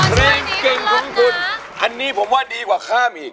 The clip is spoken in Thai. เพลงเก่งของคุณอันนี้ผมว่าดีกว่าข้ามอีก